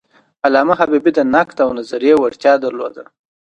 علامه حبیبي د نقد او نظریې وړتیا درلوده.